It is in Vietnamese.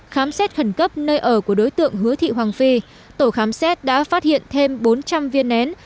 khám xét khẩn cấp nơi ở của đối tượng hứa thị hoàng phi tổ khám xét đã phát hiện thêm bốn trăm linh viên nén